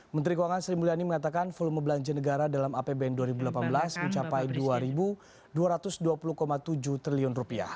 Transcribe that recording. menteri keuangan sri mulyani mengatakan volume belanja negara dalam apbn dua ribu delapan belas mencapai rp dua dua ratus dua puluh tujuh triliun